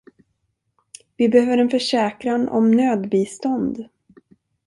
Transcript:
Vi behöver en försäkran om nödbistånd.